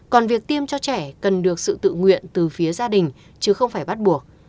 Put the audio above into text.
còn việc tiêm cho trẻ cần được sự tự nguyện từ phía gia đình chứ không phải bắt buộc